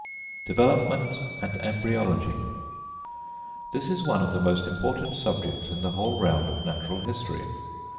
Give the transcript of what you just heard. Development and Embryology. This is one of the most important subjects in the whole round of natural history.